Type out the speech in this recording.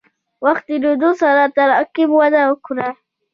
وخت تېرېدو سره تراکم وده وکړه.